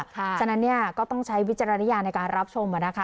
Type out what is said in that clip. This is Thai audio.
ฉะนั้นก็ต้องใช้วิจารณญาณในการรับชมนะคะ